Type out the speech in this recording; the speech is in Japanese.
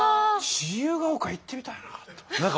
自由が丘行ってみたいなと。